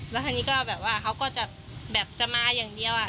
แล้วทีนี้ก็แบบว่าเขาก็จะแบบจะมาอย่างเดียว